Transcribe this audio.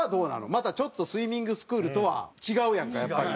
またちょっとスイミングスクールとは違うやんかやっぱり。